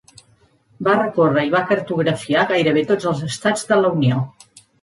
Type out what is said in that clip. Va recórrer i va cartografiar gairebé tots els estats de la Unió.